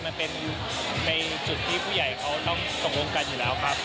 มันเป็นในจุดที่ผู้ใหญ่เขาต้องตกลงกันอยู่แล้วครับ